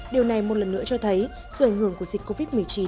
điều này một lần nữa cho thấy sự ảnh hưởng của dịch covid một mươi chín